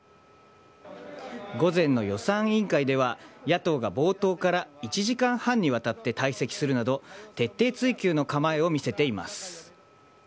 午前の予算委員会では、野党が冒頭から１時間半にわたって退席するなど、徹底追及の構えを見せています。